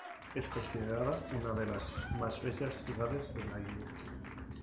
Es considerada una de las más bellas ciudades de la India.